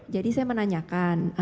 jadi saya menanyakan